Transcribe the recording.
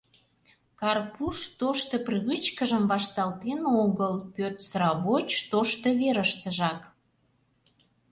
Карпуш тошто привычкыжым вашталтен огыл, пӧрт сравоч тошто верыштыжак...